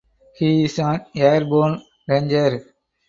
He is an Airborne Ranger.